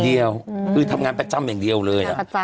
เดียวคือทำงานประจำอย่างเดียวเลย